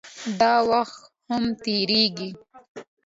داوخت هم تېريږي